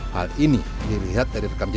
hal ini dilihat dari rekam jejak